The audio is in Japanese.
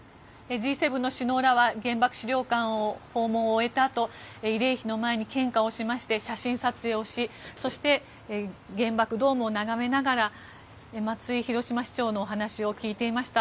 Ｇ７の首脳らは原爆資料館の訪問を終えたあと慰霊碑の前に献花をしまして写真撮影をしそして、原爆ドームを眺めながら松井広島市長のお話を聞いていました。